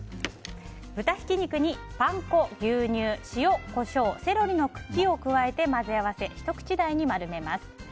豚ひき肉にパン粉、牛乳、塩、コショウセロリの茎を加えて混ぜ合わせひと口大に丸めます。